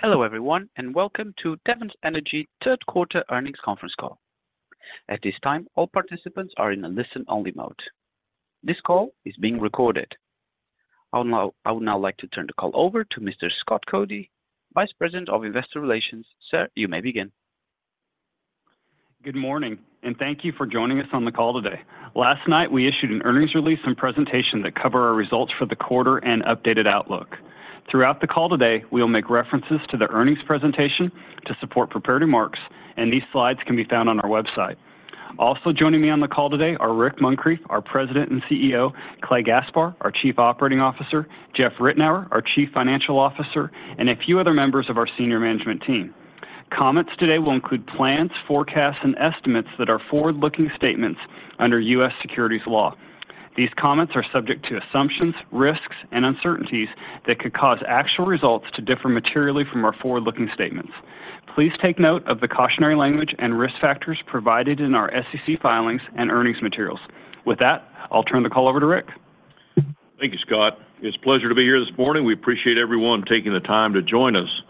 Hello everyone, and welcome to Devon Energy Third Quarter earnings conference call. At this time, all participants are in a listen-only mode. This call is being recorded. I would now like to turn the call over to Mr. Scott Coody, Vice President of Investor Relations. Sir, you may begin. Good morning, and thank you for joining us on the call today. Last night, we issued an earnings release and presentation that cover our results for the quarter and updated outlook. Throughout the call today, we will make references to the earnings presentation to support prepared remarks, and these slides can be found on our website. Also joining me on the call today are Rick Muncrief, our President and CEO, Clay Gaspar, our Chief Operating Officer, Jeff Ritenour, our Chief Financial Officer, and a few other members of our senior management team. Comments today will include plans, forecasts, and estimates that are forward-looking statements under U.S. securities law. These comments are subject to assumptions, risks, and uncertainties that could cause actual results to differ materially from our forward-looking statements. Please take note of the cautionary language and risk factors provided in our SEC filings and earnings materials. With that, I'll turn the call over to Rick. Thank you, Scott. It's a pleasure to be here this morning. We appreciate everyone taking the time to join us.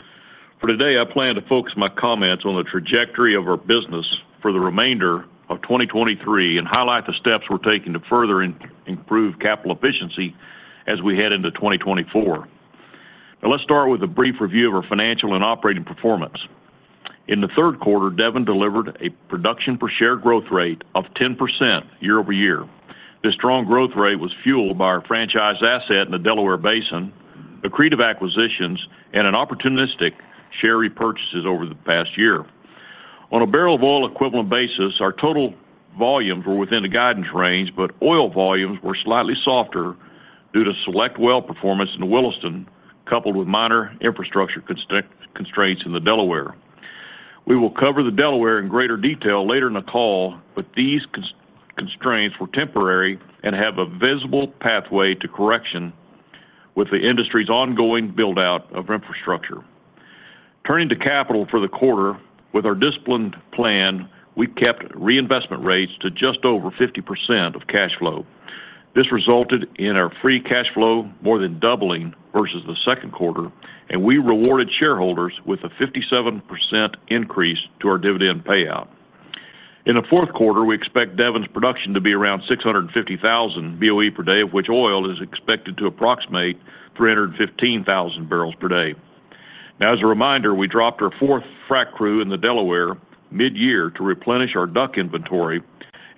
For today, I plan to focus my comments on the trajectory of our business for the remainder of 2023 and highlight the steps we're taking to further improve capital efficiency as we head into 2024. Now, let's start with a brief review of our financial and operating performance. In the third quarter, Devon delivered a production per share growth rate of 10% year-over-year. This strong growth rate was fueled by our franchise asset in the Delaware Basin, accretive acquisitions, and an opportunistic share repurchases over the past year. On a barrel of oil equivalent basis, our total volumes were within the guidance range, but oil volumes were slightly softer due to select well performance in the Williston, coupled with minor infrastructure constraints in the Delaware. We will cover the Delaware in greater detail later in the call, but these constraints were temporary and have a visible pathway to correction with the industry's ongoing build-out of infrastructure. Turning to capital for the quarter, with our disciplined plan, we've kept reinvestment rates to just over 50% of cash flow. This resulted in our free cash flow more than doubling versus the second quarter, and we rewarded shareholders with a 57% increase to our dividend payout. In the fourth quarter, we expect Devon's production to be around 650,000 boepd, of which oil is expected to approximate 315,000 bpd. Now, as a reminder, we dropped our fourth frac crew in the Delaware mid-year to replenish our DUC inventory,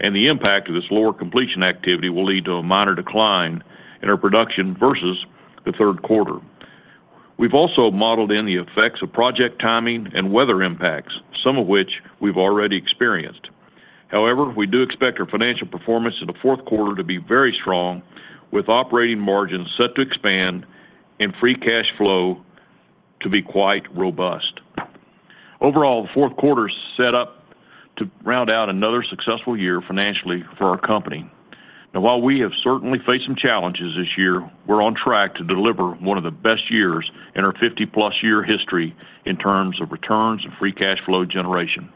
and the impact of this lower completion activity will lead to a minor decline in our production versus the third quarter. We've also modeled in the effects of project timing and weather impacts, some of which we've already experienced. However, we do expect our financial performance in the fourth quarter to be very strong, with operating margins set to expand and free cash flow to be quite robust. Overall, the fourth quarter is set up to round out another successful year financially for our company. Now, while we have certainly faced some challenges this year, we're on track to deliver one of the best years in our 50-plus year history in terms of returns and free cash flow generation.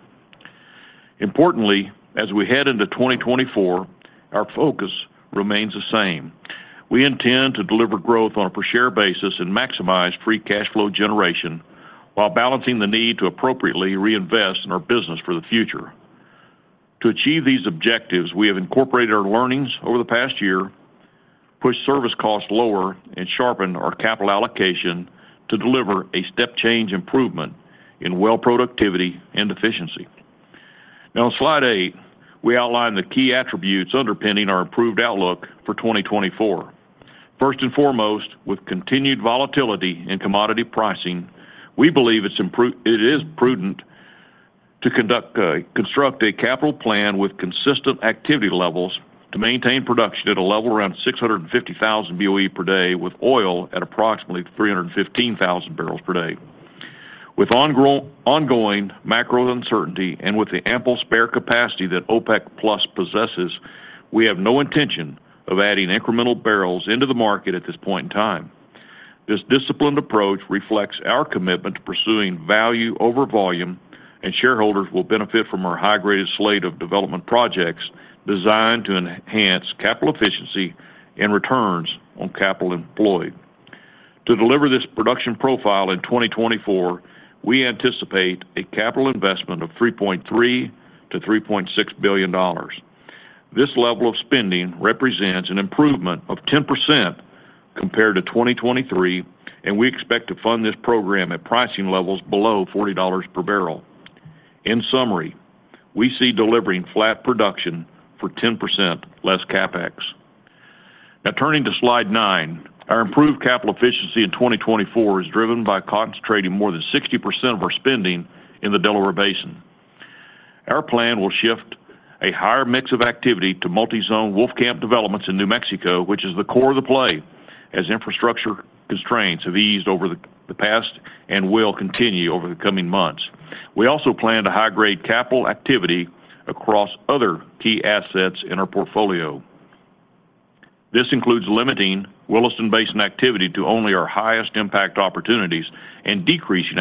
Importantly, as we head into 2024, our focus remains the same. We intend to deliver growth on a per-share basis and maximize free cash flow generation while balancing the need to appropriately reinvest in our business for the future. To achieve these objectives, we have incorporated our learnings over the past year, pushed service costs lower, and sharpened our capital allocation to deliver a step-change improvement in well productivity and efficiency. Now, on slide 8, we outlined the key attributes underpinning our approved outlook for 2024. First and foremost, with continued volatility in commodity pricing, we believe it is prudent to construct a capital plan with consistent activity levels to maintain production at a level around 650,000 boepd, with oil at approximately 315,000 bpd. With ongoing macro uncertainty and with the ample spare capacity that OPEC+ possesses, we have no intention of adding incremental barrels into the market at this point in time. This disciplined approach reflects our commitment to pursuing value over volume, and shareholders will benefit from our high-graded slate of development projects designed to enhance capital efficiency and returns on capital employed. To deliver this production profile in 2024, we anticipate a capital investment of $3.3 billion-$3.6 billion. This level of spending represents an improvement of 10% compared to 2023, and we expect to fund this program at pricing levels below $40 per barrel. In summary, we see delivering flat production for 10% less CapEx. Now, turning to Slide 9, our improved capital efficiency in 2024 is driven by concentrating more than 60% of our spending in the Delaware Basin. Our plan will shift a higher mix of activity to multi-zone Wolfcamp developments in New Mexico, which is the core of the play, as infrastructure constraints have eased over the past and will continue over the coming months. We also plan to high-grade capital activity across other key assets in our portfolio. This includes limiting Williston Basin activity to only our highest impact opportunities and decreasing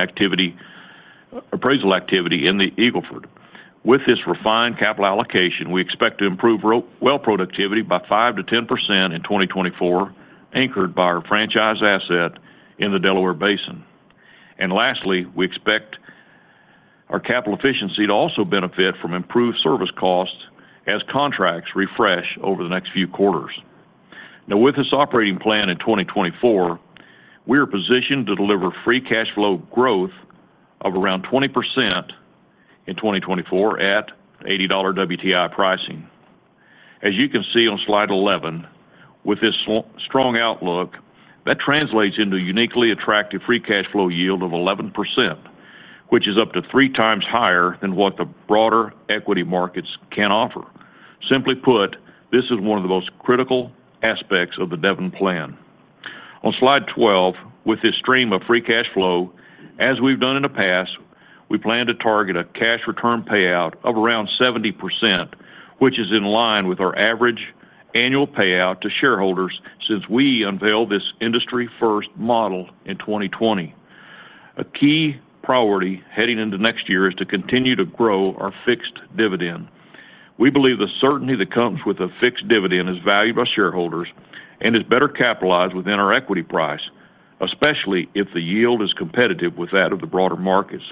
appraisal activity in the Eagle Ford. With this refined capital allocation, we expect to improve well productivity by 5%-10% in 2024, anchored by our franchise asset in the Delaware Basin. Lastly, we expect our capital efficiency to also benefit from improved service costs as contracts refresh over the next few quarters. Now, with this operating plan in 2024, we are positioned to deliver free cash flow growth of around 20% in 2024 at $80 WTI pricing. As you can see on slide 11, with this so strong outlook, that translates into a uniquely attractive free cash flow yield of 11%, which is up to 3 times higher than what the broader equity markets can offer. Simply put, this is one of the most critical aspects of the Devon plan. On slide 12, with this stream of free cash flow, as we've done in the past, we plan to target a cash return payout of around 70%, which is in line with our average annual payout to shareholders since we unveiled this industry-first model in 2020. A key priority heading into next year is to continue to grow our fixed dividend. We believe the certainty that comes with a fixed dividend is valued by shareholders and is better capitalized within our equity price, especially if the yield is competitive with that of the broader markets.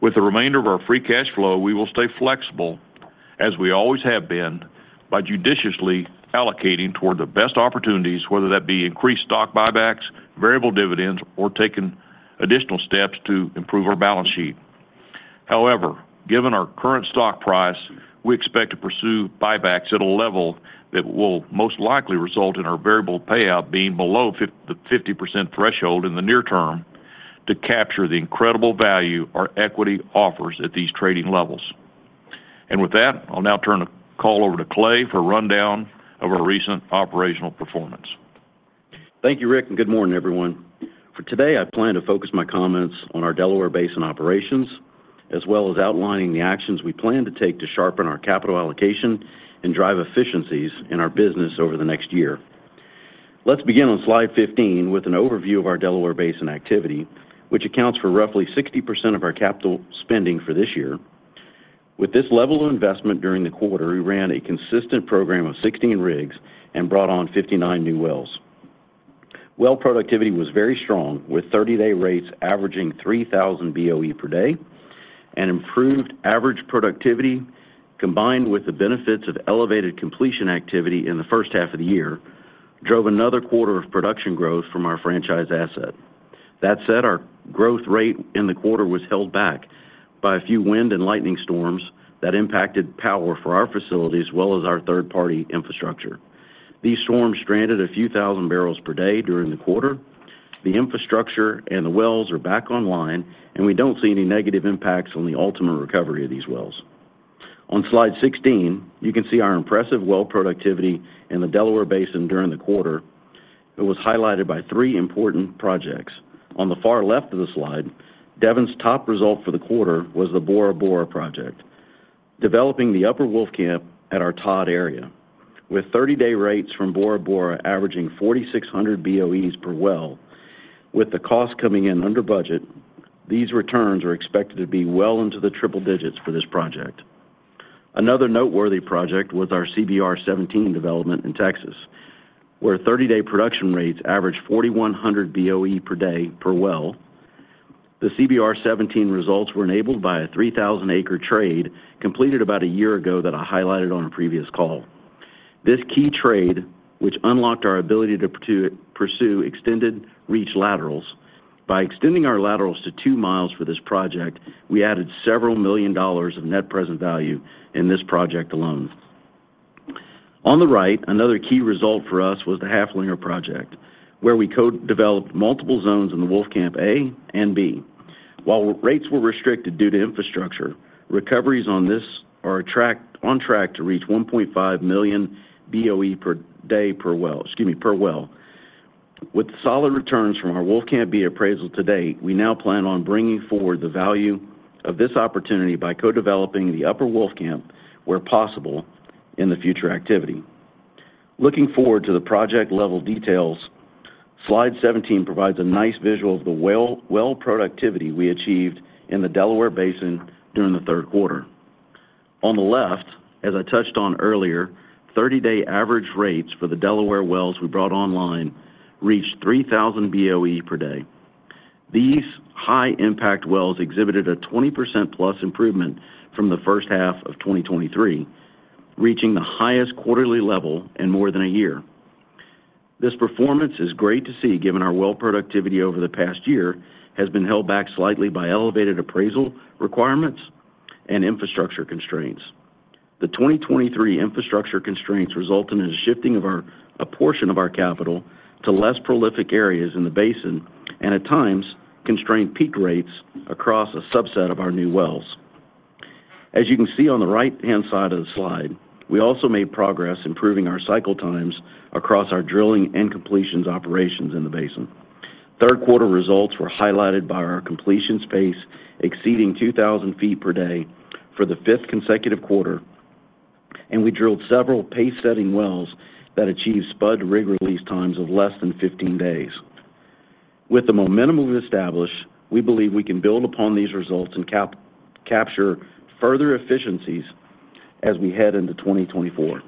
With the remainder of our free cash flow, we will stay flexible, as we always have been, by judiciously allocating toward the best opportunities, whether that be increased stock buybacks, variable dividends, or taking additional steps to improve our balance sheet. However, given our current stock price, we expect to pursue buybacks at a level that will most likely result in our variable payout being below the 50% threshold in the near term to capture the incredible value our equity offers at these trading levels. And with that, I'll now turn the call over to Clay for a rundown of our recent operational performance. Thank you, Rick, and good morning, everyone. For today, I plan to focus my comments on our Delaware Basin operations, as well as outlining the actions we plan to take to sharpen our capital allocation and drive efficiencies in our business over the next year. Let's begin on slide 15 with an overview of our Delaware Basin activity, which accounts for roughly 60% of our capital spending for this year. With this level of investment during the quarter, we ran a consistent program of 16 rigs and brought on 59 new wells. Well productivity was very strong, with 30-day rates averaging 3,000 boepd, and improved average productivity, combined with the benefits of elevated completion activity in the first half of the year, drove another quarter of production growth from our franchise asset. That said, our growth rate in the quarter was held back by a few wind and lightning storms that impacted power for our facility, as well as our third-party infrastructure. These storms stranded a few thousand bpd during the quarter. The infrastructure and the wells are back online, and we don't see any negative impacts on the ultimate recovery of these wells. On slide 16, you can see our impressive well productivity in the Delaware Basin during the quarter. It was highlighted by three important projects. On the far left of the slide, Devon's top result for the quarter was the Bora Bora project, developing the Upper Wolfcamp at our Todd area. With 30-day rates from Bora Bora averaging 4,600 boe per well, with the cost coming in under budget, these returns are expected to be well into the triple digits for this project. Another noteworthy project was our CBR 17 development in Texas, where 30-day production rates average 4,100 boe per well. The CBR 17 results were enabled by a 3,000-acre trade completed about a year ago that I highlighted on a previous call. This key trade, which unlocked our ability to pursue extended reach laterals. By extending our laterals to 2 miles for this project, we added $several million of net present value in this project alone. On the right, another key result for us was the Haflinger project, where we co-developed multiple zones in the Wolfcamp A and B. While rates were restricted due to infrastructure, recoveries on this are on track to reach 1.5 million boe per well, excuse me, per well. With solid returns from our Wolfcamp B appraisal to date, we now plan on bringing forward the value of this opportunity by co-developing the Upper Wolfcamp where possible in the future activity. Looking forward to the project-level details, slide 17 provides a nice visual of the well productivity we achieved in the Delaware Basin during the third quarter. On the left, as I touched on earlier, 30-day average rates for the Delaware wells we brought online reached 3,000 boepd. These high-impact wells exhibited a 20%+ improvement from the first half of 2023, reaching the highest quarterly level in more than a year. This performance is great to see, given our well productivity over the past year has been held back slightly by elevated appraisal requirements and infrastructure constraints. The 2023 infrastructure constraints resulted in a shifting of a portion of our capital to less prolific areas in the basin and, at times, constrained peak rates across a subset of our new wells. As you can see on the right-hand side of the slide, we also made progress improving our cycle times across our drilling and completions operations in the basin. Third quarter results were highlighted by our completions pace exceeding 2,000 feet per day for the 5th consecutive quarter, and we drilled several pace-setting wells that achieved spud rig release times of less than 15 days. With the momentum we've established, we believe we can build upon these results and capture further efficiencies as we head into 2024.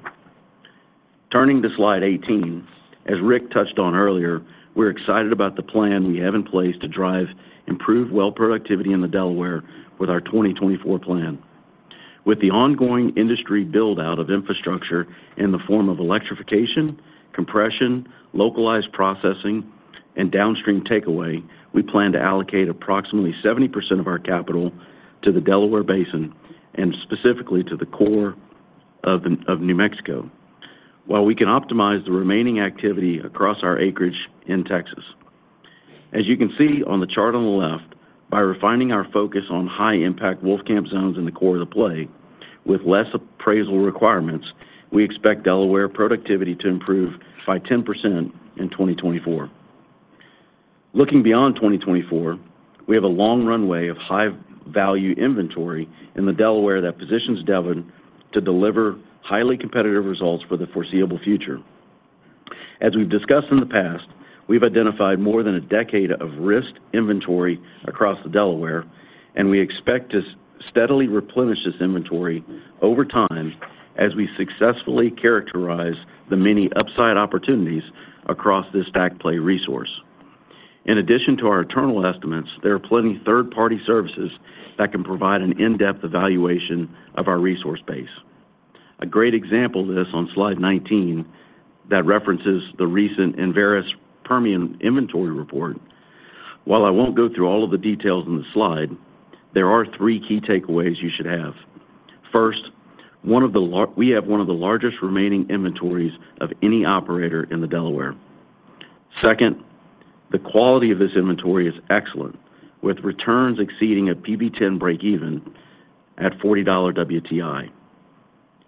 Turning to slide 18, as Rick touched on earlier, we're excited about the plan we have in place to drive improved well productivity in the Delaware with our 2024 plan. With the ongoing industry build-out of infrastructure in the form of electrification, compression, localized processing, and downstream takeaway, we plan to allocate approximately 70% of our capital to the Delaware Basin, and specifically to the core of New Mexico, while we can optimize the remaining activity across our acreage in Texas. As you can see on the chart on the left, by refining our focus on high-impact Wolfcamp zones in the core of the play with less appraisal requirements, we expect Delaware productivity to improve by 10% in 2024. Looking beyond 2024, we have a long runway of high-value inventory in the Delaware that positions Devon to deliver highly competitive results for the foreseeable future. As we've discussed in the past, we've identified more than a decade of risk inventory across the Delaware, and we expect to steadily replenish this inventory over time as we successfully characterize the many upside opportunities across this stack play resource. In addition to our internal estimates, there are plenty third-party services that can provide an in-depth evaluation of our resource base. A great example of this on slide 19, that references the recent Enverus Permian inventory report. While I won't go through all of the details in the slide, there are three key takeaways you should have. First, one of the largest remaining inventories of any operator in the Delaware. Second, the quality of this inventory is excellent, with returns exceeding a PV-10 breakeven at $40 WTI.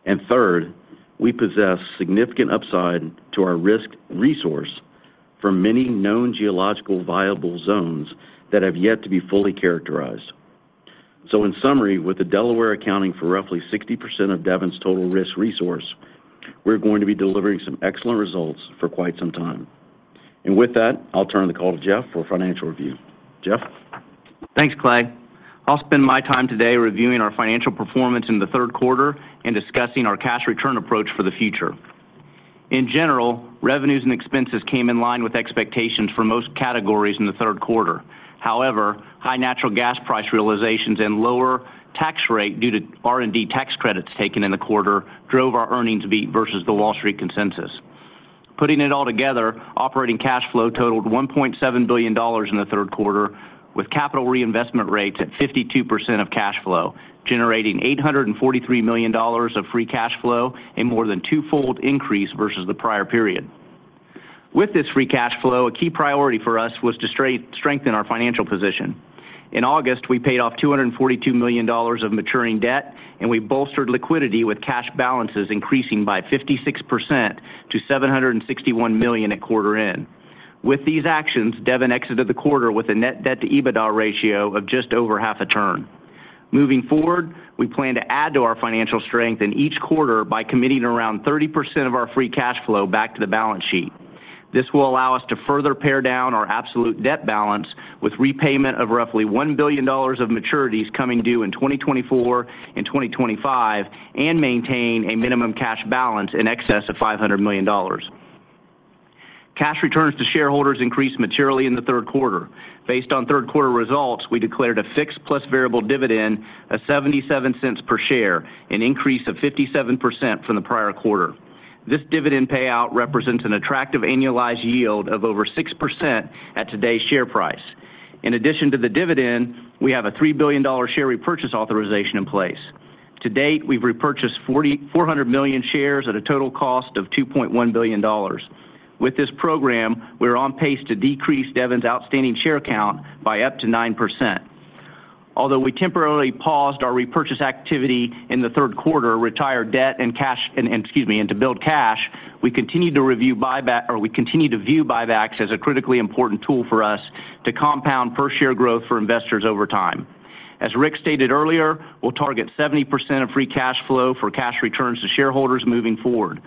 And third, we possess significant upside to our risked resource from many known geologically viable zones that have yet to be fully characterized. So in summary, with the Delaware accounting for roughly 60% of Devon's total risked resource, we're going to be delivering some excellent results for quite some time. And with that, I'll turn the call to Jeff for a financial review. Jeff? Thanks, Clay. I'll spend my time today reviewing our financial performance in the third quarter and discussing our cash return approach for the future. In general, revenues and expenses came in line with expectations for most categories in the third quarter. However, high natural gas price realizations and lower tax rate due to R&D tax credits taken in the quarter drove our earnings beat versus the Wall Street consensus. Putting it all together, operating cash flow totaled $1.7 billion in the third quarter, with capital reinvestment rates at 52% of cash flow, generating $843 million of free cash flow in more than two-fold increase versus the prior period. With this free cash flow, a key priority for us was to strengthen our financial position. In August, we paid off $242 million of maturing debt, and we bolstered liquidity with cash balances increasing by 56% to $761 million at quarter end. With these actions, Devon exited the quarter with a net debt to EBITDA ratio of just over half a turn. Moving forward, we plan to add to our financial strength in each quarter by committing around 30% of our free cash flow back to the balance sheet. This will allow us to further pare down our absolute debt balance with repayment of roughly $1 billion of maturities coming due in 2024 and 2025, and maintain a minimum cash balance in excess of $500 million. Cash returns to shareholders increased materially in the third quarter. Based on third-quarter results, we declared a fixed plus variable dividend of $0.77 per share, an increase of 57% from the prior quarter. This dividend payout represents an attractive annualized yield of over 6% at today's share price. In addition to the dividend, we have a $3 billion share repurchase authorization in place. To date, we've repurchased 400 million shares at a total cost of $2.1 billion. With this program, we're on pace to decrease Devon's outstanding share count by up to 9%. Although we temporarily paused our repurchase activity in the third quarter, retired debt and cash, excuse me, to build cash, we continued to review buyback, or we continue to view buybacks as a critically important tool for us to compound per share growth for investors over time. As Rick stated earlier, we'll target 70% of free cash flow for cash returns to shareholders moving forward.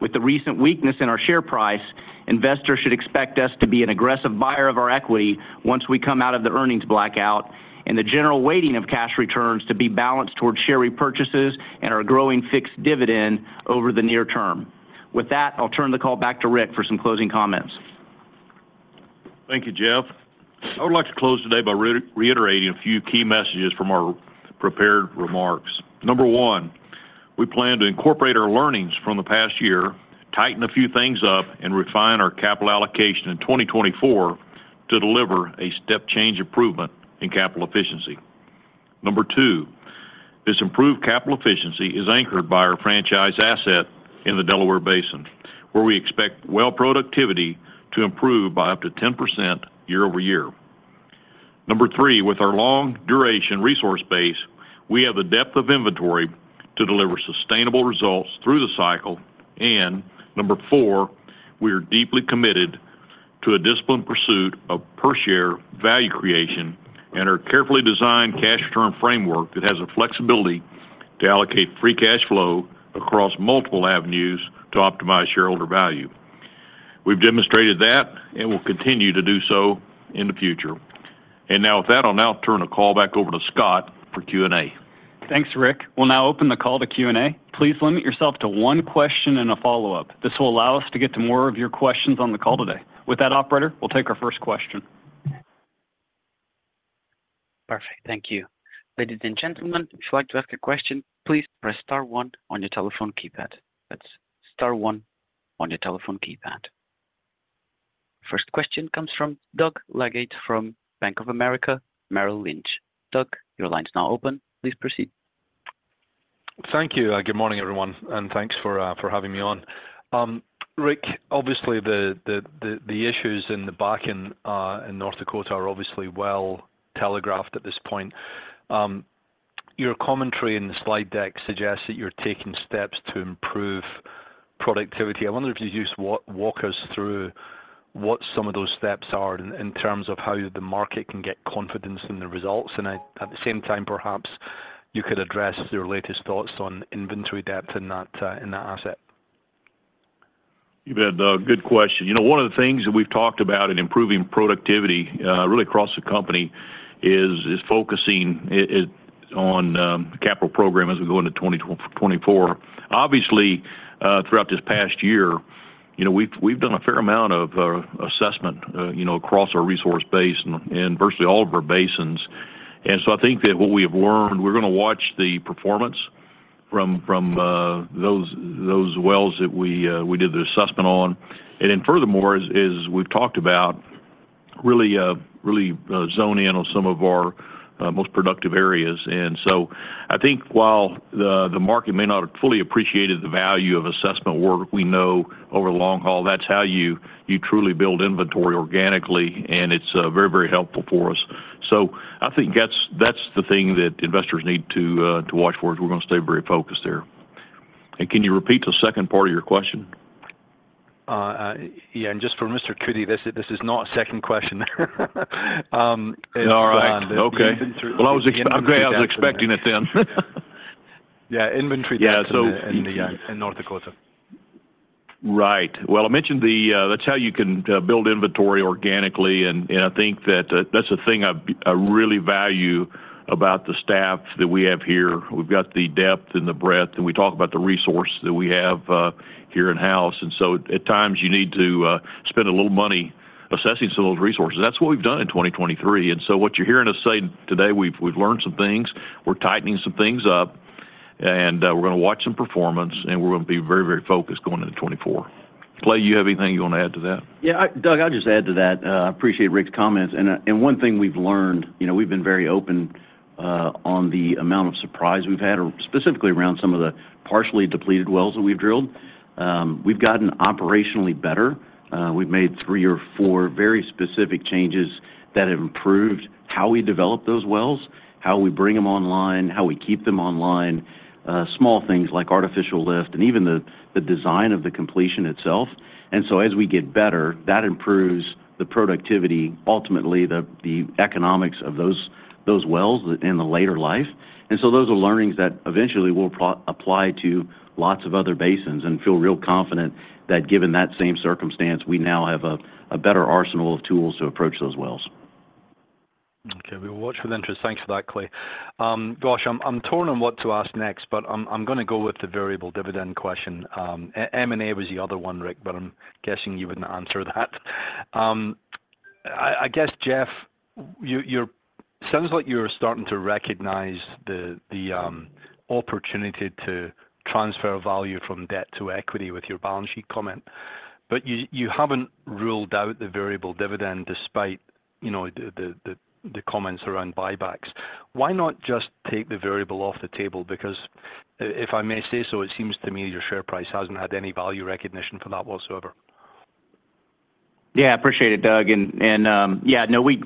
With the recent weakness in our share price, investors should expect us to be an aggressive buyer of our equity once we come out of the earnings blackout, and the general weighting of cash returns to be balanced towards share repurchases and our growing fixed dividend over the near term. With that, I'll turn the call back to Rick for some closing comments. Thank you, Jeff. I would like to close today by reiterating a few key messages from our prepared remarks. Number one, we plan to incorporate our learnings from the past year, tighten a few things up, and refine our capital allocation in 2024 to deliver a step-change improvement in capital efficiency. Number two, this improved capital efficiency is anchored by our franchise asset in the Delaware Basin, where we expect well productivity to improve by up to 10% year-over-year. Number three, with our long-duration resource base, we have the depth of inventory to deliver sustainable results through the cycle. And number four, we are deeply committed to a disciplined pursuit of per share value creation and our carefully designed cash return framework that has the flexibility to allocate free cash flow across multiple avenues to optimize shareholder value. We've demonstrated that, and we'll continue to do so in the future. Now with that, I'll now turn the call back over to Scott for Q&A. Thanks, Rick. We'll now open the call to Q&A. Please limit yourself to one question and a follow-up. This will allow us to get to more of your questions on the call today. With that, operator, we'll take our first question. Perfect. Thank you. Ladies and gentlemen, if you'd like to ask a question, please press star one on your telephone keypad. That's star one on your telephone keypad. First question comes from Doug Leggate from Bank of America Merrill Lynch. Doug, your line's now open. Please proceed. Thank you. Good morning, everyone, and thanks for having me on. Rick, obviously, the issues in the Bakken in North Dakota are obviously well telegraphed at this point. Your commentary in the slide deck suggests that you're taking steps to improve productivity. I wonder if you'd just walk us through what some of those steps are in terms of how the market can get confidence in the results. At the same time, perhaps you could address your latest thoughts on inventory depth in that asset. You bet, Doug. Good question. You know, one of the things that we've talked about in improving productivity, really across the company, is focusing it on capital program as we go into 2024. Obviously, throughout this past year, you know, we've done a fair amount of assessment, you know, across our resource base and in virtually all of our basins. And so I think that what we have learned, we're gonna watch the performance from those wells that we did the assessment on. And then furthermore, as we've talked about, really zone in on some of our most productive areas. And so I think while the market may not have fully appreciated the value of assessment work, we know over the long haul, that's how you truly build inventory organically, and it's very, very helpful for us. So I think that's the thing that investors need to watch for, is we're gonna stay very focused there. And can you repeat the second part of your question? Yeah, and just for Mr. Coody, this is not a second question. All right. Okay. Inventory. Well, okay, I was expecting it then. Yeah, inventory depth- Yeah, so- in the, in North Dakota. Right. Well, I mentioned the that's how you can build inventory organically, and I think that's the thing, I really value about the staff that we have here. We've got the depth and the breadth, and we talk about the resource that we have here in-house. And so at times, you need to spend a little money assessing some of those resources. That's what we've done in 2023, and so what you're hearing us say today, we've, we've learned some things. We're tightening some things up, and we're gonna be very, very focused going into 2024. Clay, you have anything you want to add to that? Yeah, Doug, I'll just add to that. I appreciate Rick's comments, and one thing we've learned, you know, we've been very open on the amount of surprise we've had, or specifically around some of the partially depleted wells that we've drilled. We've gotten operationally better. We've made three or four very specific changes that have improved how we develop those wells, how we bring them online, how we keep them online, small things like artificial lift and even the design of the completion itself. And so as we get better, that improves the productivity, ultimately, the economics of those wells in the later life. Those are learnings that eventually will apply to lots of other basins, and we feel real confident that, given that same circumstance, we now have a better arsenal of tools to approach those wells. Okay. We'll watch with interest. Thanks for that, Clay. Gosh, I'm torn on what to ask next, but I'm gonna go with the variable dividend question. M&A was the other one, Rick, but I'm guessing you wouldn't answer that. I guess, Jeff, you, you're starting to recognize the opportunity to transfer value from debt to equity with your balance sheet comment, but you haven't ruled out the variable dividend despite, you know, the comments around buybacks. Why not just take the variable off the table? Because if I may say so, it seems to me your share price hasn't had any value recognition for that whatsoever. Yeah, appreciate it, Doug. And yeah, no, we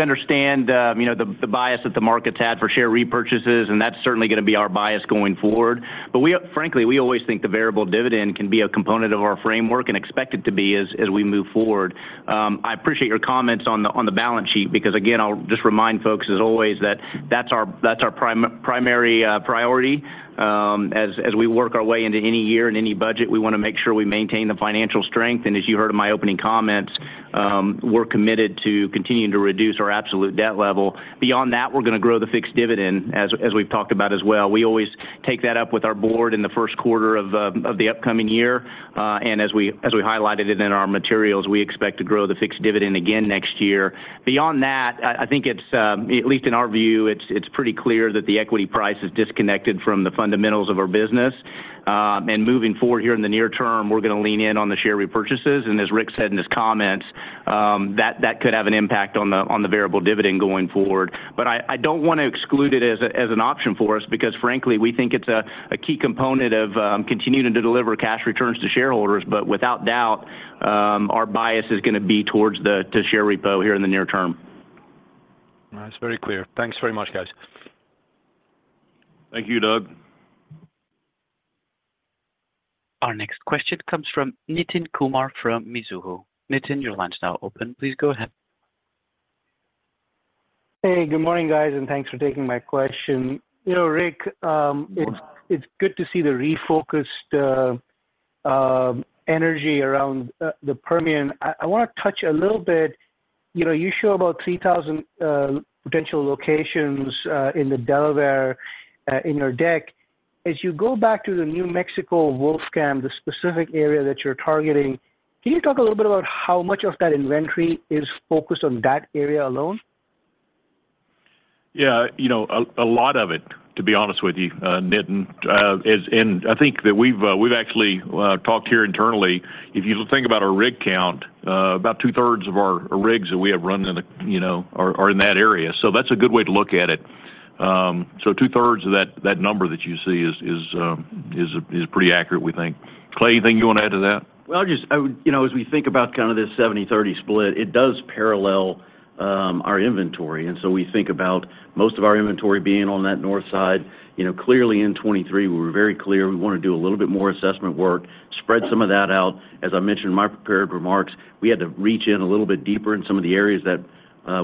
understand you know the bias that the market's had for share repurchases, and that's certainly gonna be our bias going forward. But we frankly, we always think the variable dividend can be a component of our framework and expect it to be as we move forward. I appreciate your comments on the balance sheet, because, again, I'll just remind folks, as always, that that's our primary priority as we work our way into any year and any budget, we wanna make sure we maintain the financial strength. And as you heard in my opening comments, we're committed to continuing to reduce our absolute debt level. Beyond that, we're gonna grow the fixed dividend, as we've talked about as well. We always take that up with our board in the first quarter of the upcoming year, and as we highlighted it in our materials, we expect to grow the fixed dividend again next year. Beyond that, I think it's at least in our view, it's pretty clear that the equity price is disconnected from the fundamentals of our business. And moving forward here in the near term, we're gonna lean in on the share repurchases, and as Rick said in his comments, that could have an impact on the variable dividend going forward.I don't want to exclude it as an option for us because, frankly, we think it's a key component of continuing to deliver cash returns to shareholders, but without doubt, our bias is gonna be towards the share repo here in the near term. That's very clear. Thanks very much, guys. Thank you, Doug. Our next question comes from Nitin Kumar from Mizuho. Nitin, your line is now open. Please go ahead. Hey, good morning, guys, and thanks for taking my question. You know, Rick, it's good to see the refocused energy around the Permian. I wanna touch a little bit... You know, you show about 3,000 potential locations in the Delaware in your deck. As you go back to the New Mexico Wolfcamp, the specific area that you're targeting, can you talk a little bit about how much of that inventory is focused on that area alone? Yeah, you know, a lot of it, to be honest with you, Nitin. And I think that we've actually talked here internally. If you think about our rig count, about two-thirds of our rigs that we have running in the, you know, are in that area, so that's a good way to look at it. So two-thirds of that number that you see is pretty accurate, we think. Clay, anything you wanna add to that? Well, I just, I would, you know, as we think about kind of this 70/30 split, it does parallel our inventory, and so we think about most of our inventory being on that north side. You know, clearly in 2023, we were very clear we wanna do a little bit more assessment work, spread some of that out. As I mentioned in my prepared remarks, we had to reach in a little bit deeper in some of the areas that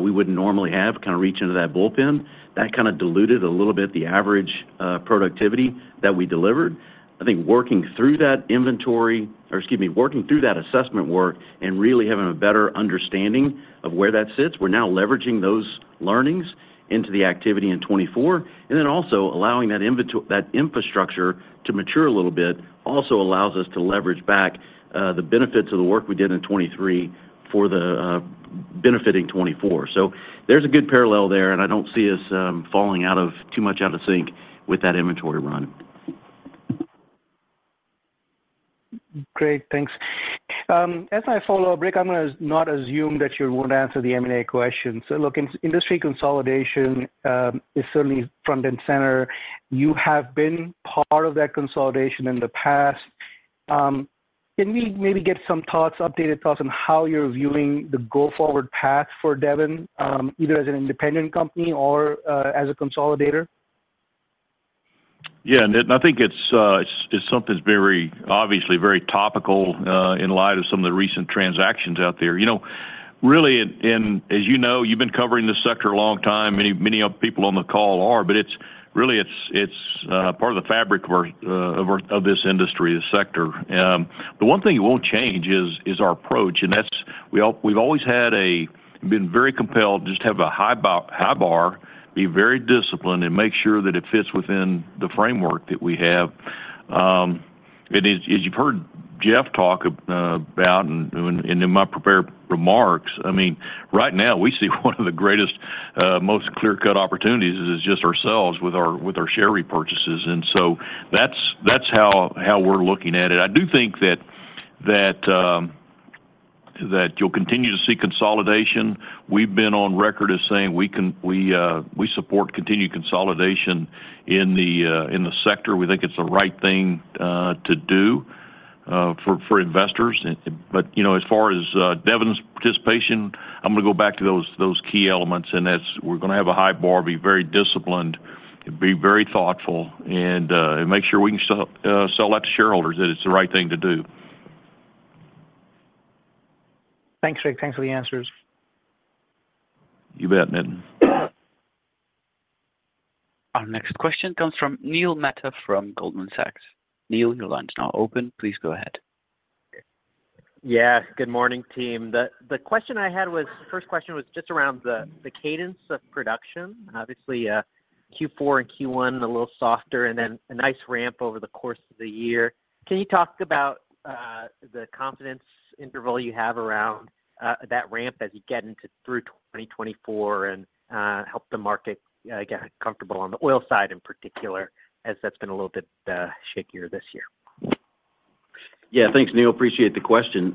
we wouldn't normally have, kinda reach into that bullpen. That kinda diluted a little bit the average productivity that we delivered. I think working through that inventory, or excuse me, working through that assessment work and really having a better understanding of where that sits, we're now leveraging those learnings into the activity in 2024. Then also allowing that infrastructure to mature a little bit also allows us to leverage back the benefits of the work we did in 2023 for the benefiting 2024. So there's a good parallel there, and I don't see us falling out of too much out of sync with that inventory run. Great. Thanks. As I follow up, Rick, I'm gonna not assume that you won't answer the M&A question. So look, industry consolidation is certainly front and center. You have been part of that consolidation in the past. Can we maybe get some thoughts, updated thoughts on how you're viewing the go-forward path for Devon, either as an independent company or as a consolidator? Yeah, Nitin, I think it's something that's very, obviously very topical, in light of some of the recent transactions out there. You know, really, and as you know, you've been covering this sector a long time. Many, many of people on the call are, but it's really, part of the fabric of our, of this industry, this sector. The one thing it won't change is our approach, and that's, we've always had a, been very compelled to just have a high bar, high bar, be very disciplined, and make sure that it fits within the framework that we have. And as you've heard Jeff talk about and in my prepared remarks, I mean, right now, we see one of the greatest most clear-cut opportunities is just ourselves with our share repurchases, and so that's how we're looking at it. I do think that you'll continue to see consolidation. We've been on record as saying we support continued consolidation in the sector. We think it's the right thing to do for investors. But you know, as far as Devon's participation, I'm gonna go back to those key elements, and that's we're gonna have a high bar, be very disciplined, be very thoughtful, and make sure we can sell that to shareholders, that it's the right thing to do. Thanks, Rick. Thanks for the answers. You bet, Nitin. Our next question comes from Neil Mehta from Goldman Sachs. Neil, your line is now open. Please go ahead. Yeah. Good morning, team. The question I had was, first question was just around the cadence of production. Obviously, Q4 and Q1 a little softer, and then a nice ramp over the course of the year. Can you talk about the confidence interval you have around that ramp as you get into through 2024 and help the market get comfortable on the oil side in particular, as that's been a little bit shakier this year? Yeah. Thanks, Neil. Appreciate the question.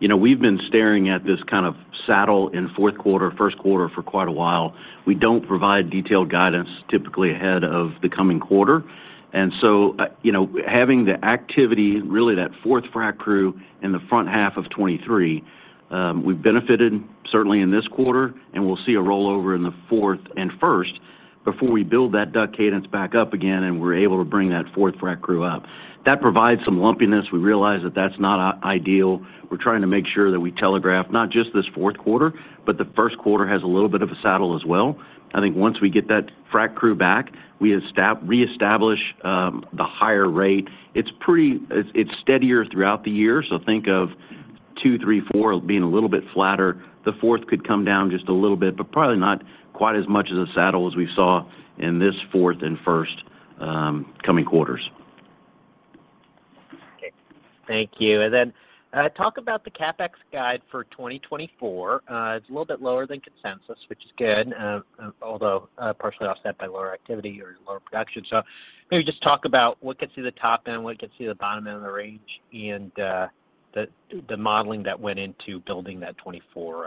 You know, we've been staring at this kind of saddle in fourth quarter, first quarter for quite a while. We don't provide detailed guidance, typically ahead of the coming quarter. And so, you know, having the activity, really, that fourth frac crew in the front half of 2023, we've benefited certainly in this quarter, and we'll see a rollover in the fourth and first before we build that DUC cadence back up again, and we're able to bring that fourth frac crew up. That provides some lumpiness. We realize that that's not ideal. We're trying to make sure that we telegraph not just this fourth quarter, but the first quarter has a little bit of a saddle as well. I think once we get that frac crew back, we reestablish the higher rate. It's steadier throughout the year, so think of 2, 3, 4 being a little bit flatter. The fourth could come down just a little bit, but probably not quite as much as a saddle as we saw in this fourth and first, coming quarters. Okay. Thank you, and then talk about the CapEx guide for 2024. It's a little bit lower than consensus, which is good, although partially offset by lower activity or lower production. So maybe just talk about what gets you the top end, what gets you the bottom end of the range, and the modeling that went into building that 2024,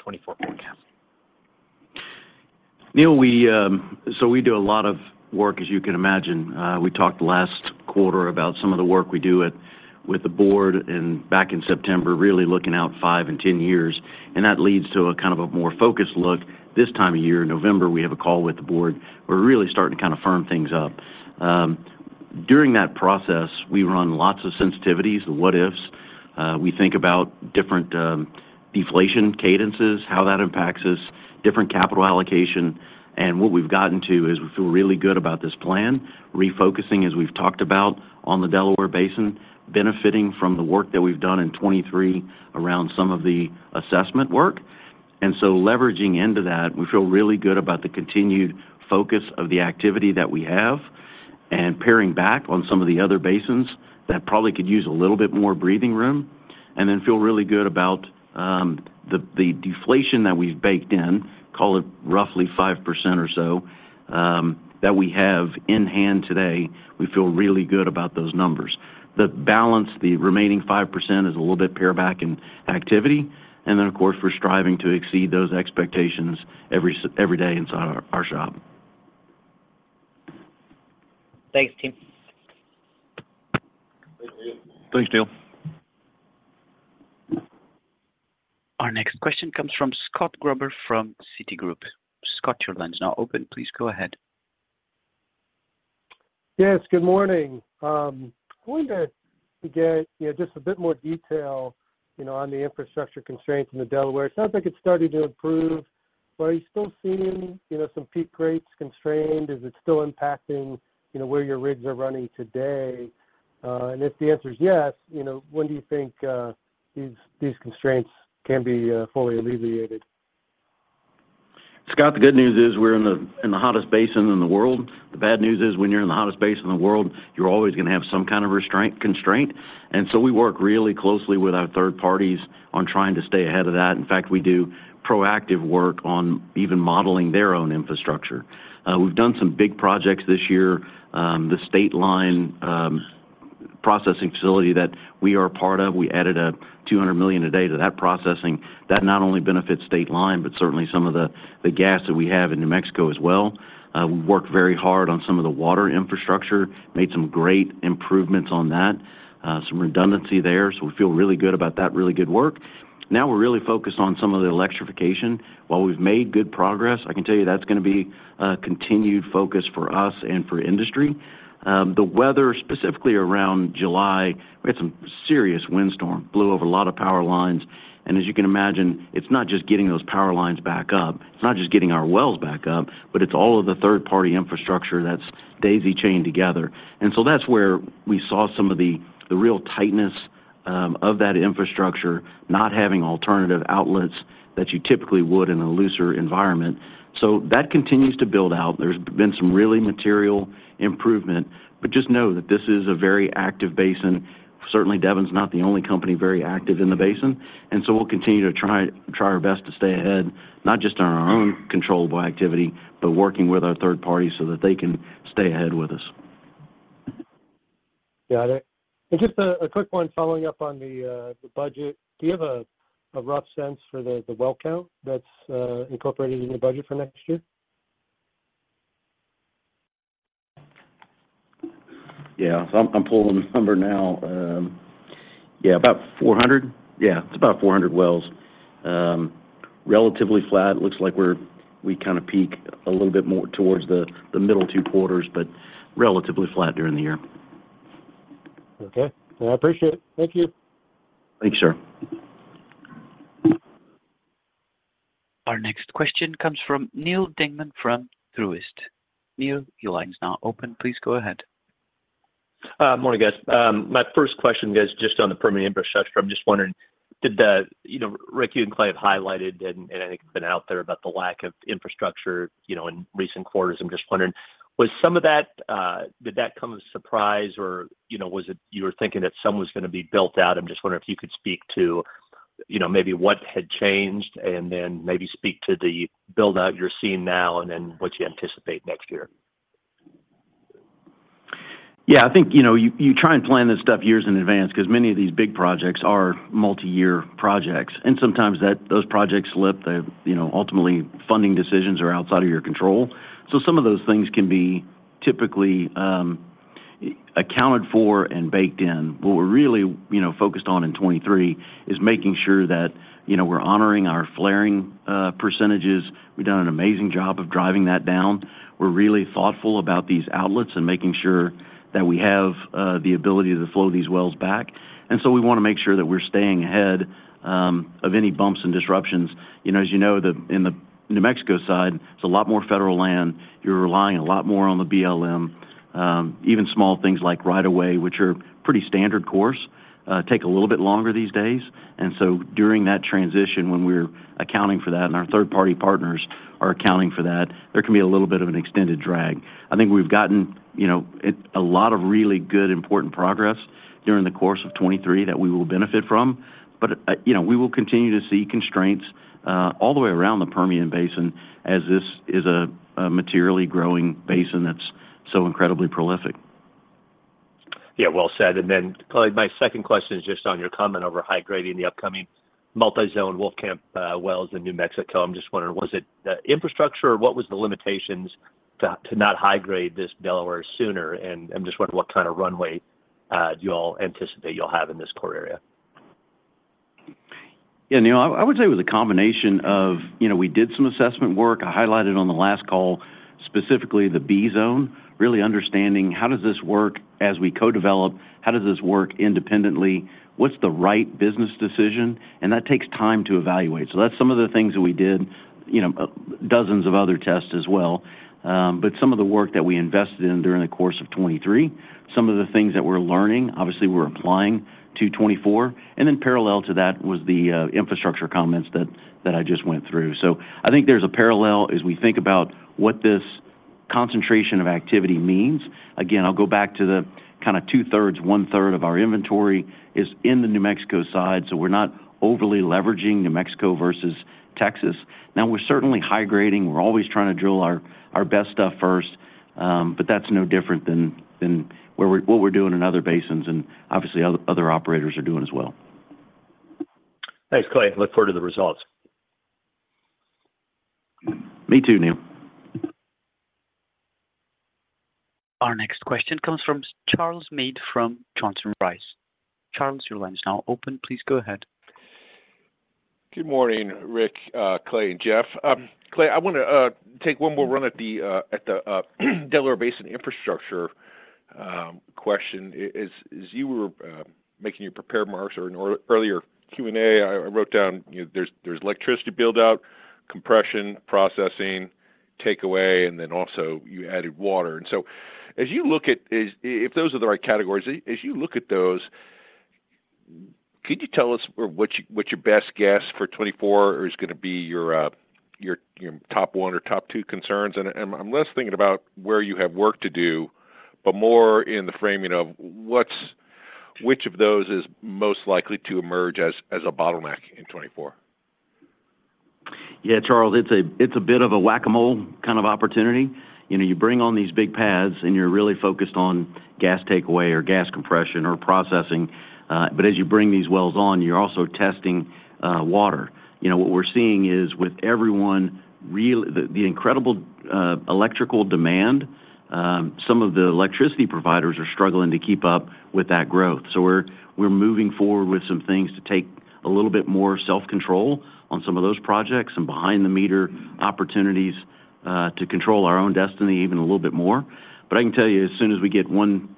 2024 forecast. Neil, we, so we do a lot of work, as you can imagine. We talked last quarter about some of the work we do with, with the board and back in September, really looking out 5 and 10 years, and that leads to a kind of a more focused look. This time of year, November, we have a call with the board. We're really starting to kind of firm things up. During that process, we run lots of sensitivities and what-ifs. We think about different, deflation cadences, how that impacts us, different capital allocation. And what we've gotten to is we feel really good about this plan, refocusing, as we've talked about, on the Delaware Basin, benefiting from the work that we've done in 2023 around some of the assessment work. And so leveraging into that, we feel really good about the continued focus of the activity that we have, and paring back on some of the other basins that probably could use a little bit more breathing room. And then feel really good about the deflation that we've baked in, call it roughly 5% or so, that we have in hand today. We feel really good about those numbers. The balance, the remaining 5% is a little bit pare back in activity, and then, of course, we're striving to exceed those expectations every day inside our shop. Thanks, team. Thanks, Neil. Thanks, Neil. Our next question comes from Scott Gruber from Citigroup. Scott, your line's now open. Please go ahead. Yes, good morning. Wanted to get, you know, just a bit more detail, you know, on the infrastructure constraints in the Delaware. It sounds like it's starting to improve, but are you still seeing, you know, some peak rates constrained? Is it still impacting, you know, where your rigs are running today? And if the answer is yes, you know, when do you think these constraints can be fully alleviated? Scott, the good news is we're in the hottest basin in the world. The bad news is, when you're in the hottest basin in the world, you're always gonna have some kind of restraint—constraint. And so we work really closely with our third parties on trying to stay ahead of that. In fact, we do proactive work on even modeling their own infrastructure. We've done some big projects this year. The Stateline processing facility that we are a part of, we added 200 million a day to that processing. That not only benefits Stateline, but certainly some of the gas that we have in New Mexico as well. We worked very hard on some of the water infrastructure, made some great improvements on that, some redundancy there, so we feel really good about that, really good work. Now, we're really focused on some of the electrification. While we've made good progress, I can tell you that's gonna be a continued focus for us and for industry. The weather, specifically around July, we had some serious windstorm, blew over a lot of power lines, and as you can imagine, it's not just getting those power lines back up, it's not just getting our wells back up, but it's all of the third-party infrastructure that's daisy-chained together. And so that's where we saw some of the, the real tightness of that infrastructure, not having alternative outlets that you typically would in a looser environment. So that continues to build out. There's been some really material improvement, but just know that this is a very active basin. Certainly, Devon's not the only company very active in the basin, and so we'll continue to try, try our best to stay ahead, not just on our own controllable activity, but working with our third party so that they can stay ahead with us. Got it. And just a quick one following up on the budget. Do you have a rough sense for the well count that's incorporated in the budget for next year? Yeah. So I'm pulling the number now. Yeah, about 400. Yeah, it's about 400 wells. Relatively flat. It looks like we're—we kinda peak a little bit more towards the middle two quarters, but relatively flat during the year. Okay. I appreciate it. Thank you. Thank you, sir. Our next question comes from Neal Dingmann from Truist. Neal, your line is now open. Please go ahead. Morning, guys. My first question, guys, just on the Permian infrastructure. I'm just wondering, did the... You know, Rick, you and Clay have highlighted, and, and I think it's been out there, about the lack of infrastructure, you know, in recent quarters. I'm just wondering, was some of that, did that come as a surprise, or, you know, was it you were thinking that some was gonna be built out? I'm just wondering if you could speak to, you know, maybe what had changed, and then maybe speak to the build-out you're seeing now and then what you anticipate next year. Yeah, I think, you know, you try and plan this stuff years in advance 'cause many of these big projects are multiyear projects, and sometimes that- those projects slip. They, you know, ultimately, funding decisions are outside of your control. So some of those things can be typically accounted for and baked in. What we're really, you know, focused on in 2023 is making sure that, you know, we're honoring our flaring percentages. We've done an amazing job of driving that down. We're really thoughtful about these outlets and making sure that we have the ability to flow these wells back. And so we wanna make sure that we're staying ahead of any bumps and disruptions. You know, as you know, in the New Mexico side, it's a lot more federal land. You're relying a lot more on the BLM, even small things like right of way, which are pretty standard course, take a little bit longer these days. And so during that transition, when we're accounting for that and our third-party partners are accounting for that, there can be a little bit of an extended drag. I think we've gotten, you know, it, a lot of really good, important progress during the course of 2023 that we will benefit from. But, you know, we will continue to see constraints, all the way around the Permian Basin as this is a materially growing basin that's so incredibly prolific. Yeah, well said. And then, Clay, my second question is just on your comment over high-grading the upcoming multi-zone Wolfcamp wells in New Mexico. I'm just wondering, was it infrastructure, or what was the limitations to not high-grade this Delaware sooner? And, I'm just wondering what kind of runway you all anticipate you'll have in this core area?... Yeah, Neal, I would say it was a combination of, you know, we did some assessment work. I highlighted on the last call, specifically the B zone, really understanding how does this work as we co-develop? How does this work independently? What's the right business decision? And that takes time to evaluate. So that's some of the things that we did, you know, dozens of other tests as well. But some of the work that we invested in during the course of 2023, some of the things that we're learning, obviously, we're applying to 2024. And then parallel to that was the infrastructure comments that I just went through. So I think there's a parallel as we think about what this concentration of activity means. Again, I'll go back to the kinda two-thirds, one-third of our inventory is in the New Mexico side, so we're not overly leveraging New Mexico versus Texas. Now, we're certainly high grading. We're always trying to drill our, our best stuff first, but that's no different than what we're doing in other basins, and obviously, other, other operators are doing as well. Thanks, Clay. Look forward to the results. Me too, Neal. Our next question comes from Charles Meade from Johnson Rice. Charles, your line is now open. Please go ahead. Good morning, Rick, Clay, and Jeff. Clay, I wanna take one more run at the Delaware Basin infrastructure question. As you were making your prepared remarks or in earlier Q&A, I wrote down, you know, there's electricity build-out, compression, processing, takeaway, and then also you added water. And so as you look at... If those are the right categories, as you look at those, could you tell us or what's your best guess for 2024, or is gonna be your top one or top two concerns? And I'm less thinking about where you have work to do, but more in the framing of what's which of those is most likely to emerge as a bottleneck in 2024? Yeah, Charles, it's a bit of a whack-a-mole kind of opportunity. You know, you bring on these big pads, and you're really focused on gas takeaway or gas compression or processing, but as you bring these wells on, you're also testing water. You know, what we're seeing is with everyone really the incredible electrical demand, some of the electricity providers are struggling to keep up with that growth. So we're moving forward with some things to take a little bit more self-control on some of those projects and behind-the-meter opportunities, to control our own destiny even a little bit more. But I can tell you, as soon as we get one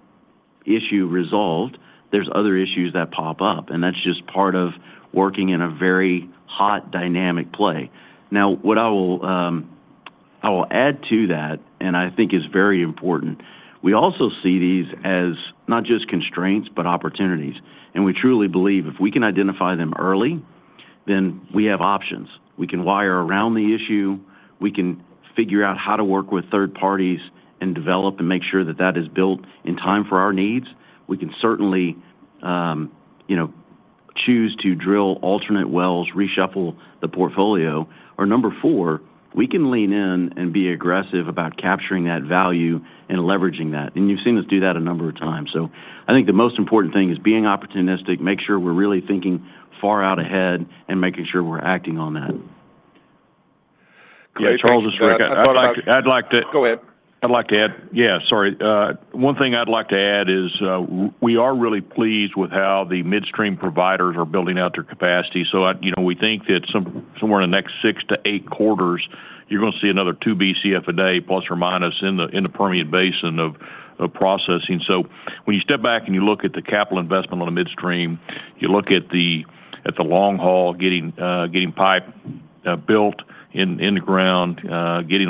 issue resolved, there's other issues that pop up, and that's just part of working in a very hot, dynamic play. Now, what I will, I will add to that, and I think is very important, we also see these as not just constraints, but opportunities. And we truly believe if we can identify them early, then we have options. We can wire around the issue. We can figure out how to work with third parties and develop and make sure that that is built in time for our needs. We can certainly, you know, choose to drill alternate wells, reshuffle the portfolio, or number four, we can lean in and be aggressive about capturing that value and leveraging that. And you've seen us do that a number of times. So I think the most important thing is being opportunistic, make sure we're really thinking far out ahead, and making sure we're acting on that. Yeah, Charles, I'd like to- Go ahead. I'd like to add... Yeah, sorry. One thing I'd like to add is, we are really pleased with how the midstream providers are building out their capacity. So, you know, we think that somewhere in the next 6-8 quarters, you're gonna see another 2 Bcf a day, ±, in the Permian Basin of processing. So when you step back and you look at the capital investment on the midstream, you look at the long haul, getting pipe built in the ground, getting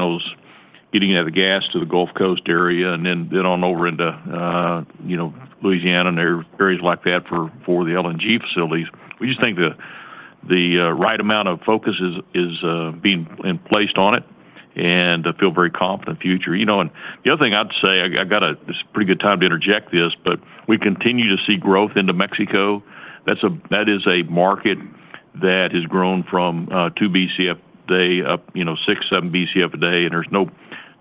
the gas out to the Gulf Coast area and then on over into, you know, Louisiana and areas like that for the LNG facilities. We just think the right amount of focus is being in place on it, and I feel very confident in the future. You know, and the other thing I'd say, I got this pretty good time to interject this, but we continue to see growth in New Mexico. That's a market that has grown from 2 Bcf a day up, you know, 6-7 Bcf a day, and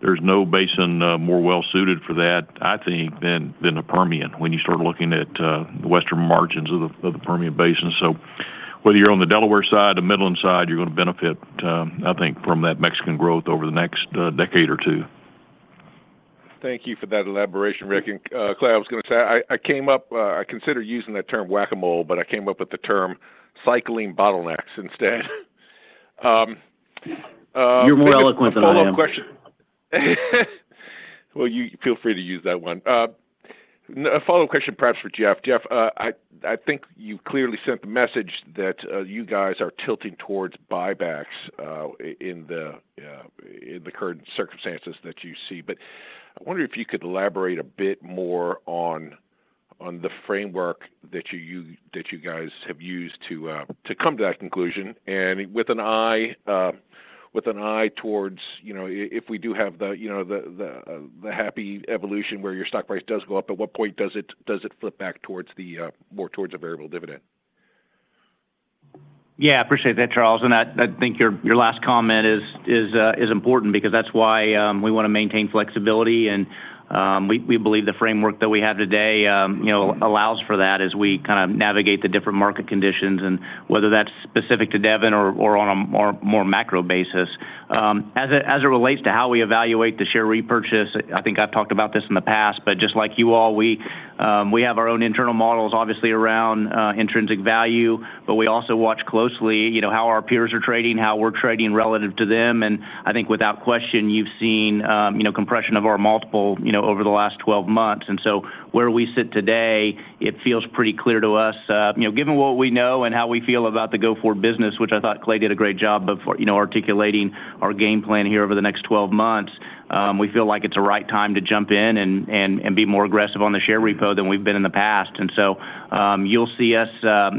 there's no basin more well-suited for that, I think, than the Permian when you start looking at the western margins of the Permian Basin. So whether you're on the Delaware side, the Midland side, you're gonna benefit, I think, from that Mexican growth over the next decade or two. Thank you for that elaboration, Rick and Clay. I was gonna say, I, I came up, I consider using that term whack-a-mole, but I came up with the term cycling bottlenecks instead. You're more eloquent than I am. Well, you feel free to use that one. A follow-up question, perhaps for Jeff. Jeff, I think you clearly sent the message that you guys are tilting towards buybacks in the current circumstances that you see. But I wonder if you could elaborate a bit more on the framework that you guys have used to come to that conclusion, and with an eye towards, you know, if we do have the, you know, the happy evolution where your stock price does go up, at what point does it flip back towards the more towards a variable dividend? Yeah, appreciate that, Charles, and I think your last comment is important because that's why we wanna maintain flexibility, and we believe the framework that we have today, you know, allows for that as we kinda navigate the different market conditions and whether that's specific to Devon or on a more macro basis. As it relates to how we evaluate the share repurchase, I think I've talked about this in the past, but just like you all, we have our own internal models, obviously, around intrinsic value, but we also watch closely, you know, how our peers are trading, how we're trading relative to them. And I think without question, you've seen, you know, compression of our multiple, you know, over the last 12 months. And so where we sit today, it feels pretty clear to us, you know, given what we know and how we feel about the go-for business, which I thought Clay did a great job of for, you know, articulating our game plan here over the next 12 months. We feel like it's a right time to jump in and be more aggressive on the share repo than we've been in the past. And so, you'll see us,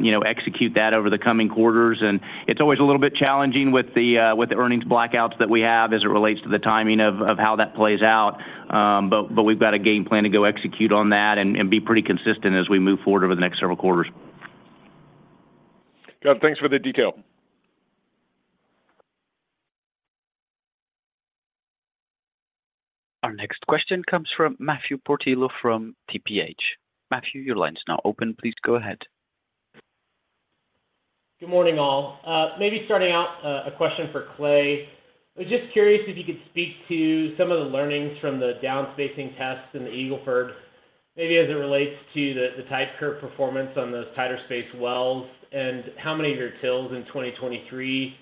you know, execute that over the coming quarters, and it's always a little bit challenging with the earnings blackouts that we have as it relates to the timing of how that plays out. But we've got a game plan to go execute on that and be pretty consistent as we move forward over the next several quarters. Good. Thanks for the detail. Our next question comes from Matthew Portillo from TPH. Matthew, your line is now open. Please go ahead. Good morning, all. Maybe starting out, a question for Clay. I was just curious if you could speak to some of the learnings from the downspacing tests in the Eagle Ford, maybe as it relates to the type curve performance on those tighter space wells, and how many of your wells in 2023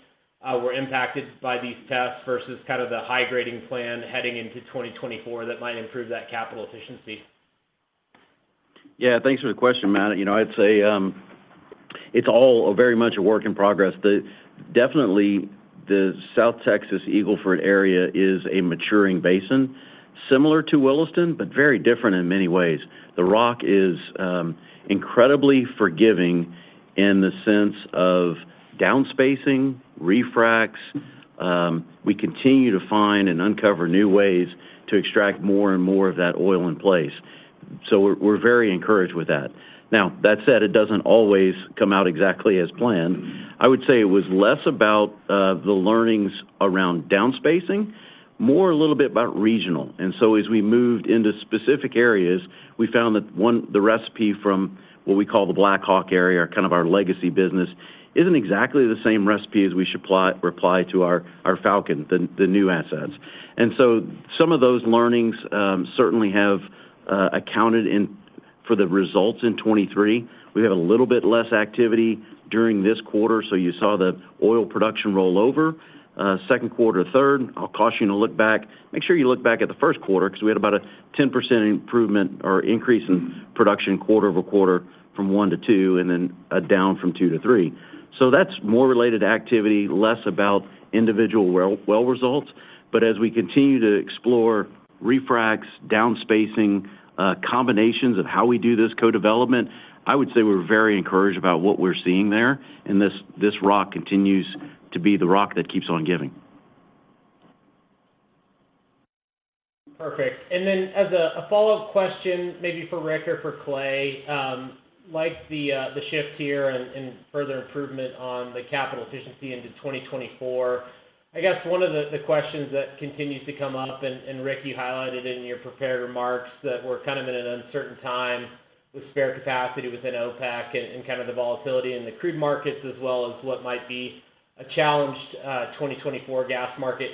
were impacted by these tests versus kind of the high grading plan heading into 2024 that might improve that capital efficiency? Yeah, thanks for the question, Matt. You know, I'd say it's all very much a work in progress. The definitely, the South Texas Eagle Ford area is a maturing basin, similar to Williston, but very different in many ways. The rock is incredibly forgiving in the sense of downspacing, refracs. We continue to find and uncover new ways to extract more and more of that oil in place. So we're very encouraged with that. Now, that said, it doesn't always come out exactly as planned. I would say it was less about the learnings around downspacing, more a little bit about regional. So as we moved into specific areas, we found that one, the recipe from what we call the Blackhawk area, kind of our legacy business, isn't exactly the same recipe as we should apply to our Falcon, the new assets. So some of those learnings certainly have accounted in for the results in 2023. We have a little bit less activity during this quarter, so you saw the oil production roll over, second quarter to third. I'll caution you to look back. Make sure you look back at the first quarter, because we had about a 10% improvement or increase in production quarter-over-quarter from 1 to 2, and then down from 2 to 3. So that's more related to activity, less about individual well results. As we continue to explore refracs, downspacing, combinations of how we do this co-development, I would say we're very encouraged about what we're seeing there, and this rock continues to be the rock that keeps on giving. Perfect. Then as a follow-up question, maybe for Rick or for Clay, like the shift here and further improvement on the capital efficiency into 2024, I guess one of the questions that continues to come up, and Rick, you highlighted in your prepared remarks, that we're kind of in an uncertain time with spare capacity within OPEC and kind of the volatility in the crude markets, as well as what might be a challenged 2024 gas market.